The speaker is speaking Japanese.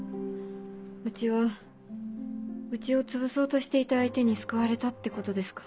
うちはうちを潰そうとしていた相手に救われたってことですか。